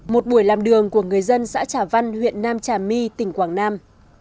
một buổi làm đường của người dân xã trà văn huyện nam trà my tỉnh quảng nam